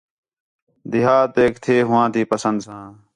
دیہاتیک تھے ہواں تی پسند ساں